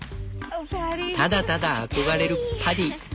ただただ憧れるパディ。